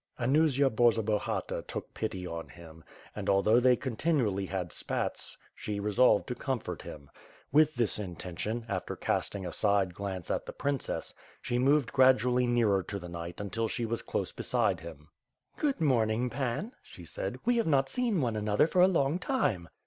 Anusia Borzobahata took pity on him, and although they continually hac^ spats she resolved to comfort him. With this intention, after casting a side glance at the princess, she moved gradually nearer to the knight until she was close be side him. "Good morning. Pan," she said, "we have not seen one another for a long time."